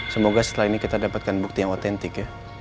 semoga setelah ini kita dapatkan bukti yang otentik ya